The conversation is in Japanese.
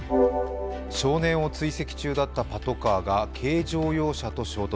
少年を追跡中だったパトカーが軽乗用車と衝突。